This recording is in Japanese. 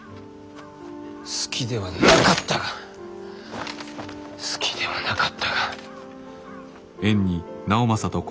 好きではなかったが好きではなかったが。